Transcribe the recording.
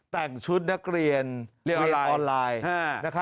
แต่งชุดนักเรียนเรียนออนไลน์